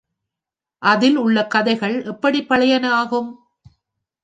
அதில் உள்ள கதைகள் எப்படிப் பழையன ஆகும்?